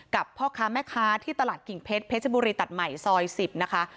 พ่อค้าแม่ค้าที่ตลาดกิ่งเพชรเพชรบุรีตัดใหม่ซอย๑๐นะคะ